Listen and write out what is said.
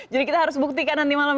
jadi kita harus buktikan nanti malam